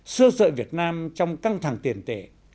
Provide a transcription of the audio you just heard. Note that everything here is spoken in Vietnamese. sơ sợi việt nam trong căng thẳng tiền tệ